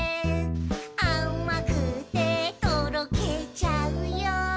「あまくてとろけちゃうよ」